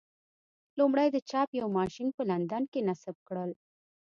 لومړی د چاپ یو ماشین په لندن کې نصب کړل.